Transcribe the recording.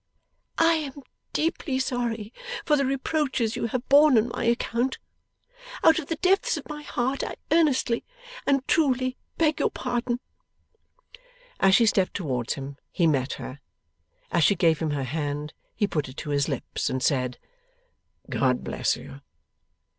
I am deeply sorry for the reproaches you have borne on my account. Out of the depths of my heart I earnestly and truly beg your pardon.' As she stepped towards him, he met her. As she gave him her hand, he put it to his lips, and said, 'God bless you!